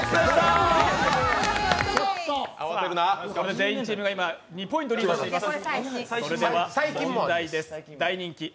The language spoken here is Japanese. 全員チームが２ポイントリードしています。